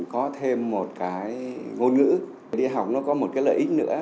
có thêm một cái ngôn ngữ đi học nó có một cái lợi ích nữa